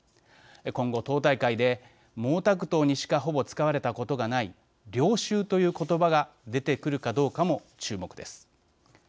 今後、党大会で毛沢東にしかほぼ使われたことがない領袖という言葉が出てくるかどうかも注目です。